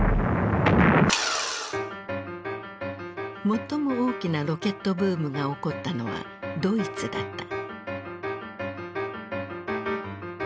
最も大きなロケットブームが起こったのはドイツだった。